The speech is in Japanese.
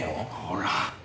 ほら。